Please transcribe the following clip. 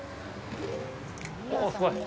おぉ、すごい！